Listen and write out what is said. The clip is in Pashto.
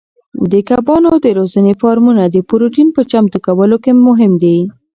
د کبانو د روزنې فارمونه د پروتین په چمتو کولو کې مهم دي.